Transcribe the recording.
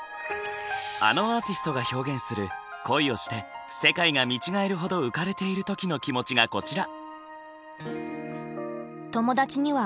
あのアーティストが表現する恋をして世界が見違えるほど浮かれている時の気持ちがこちら。